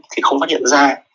thì không có hiện ra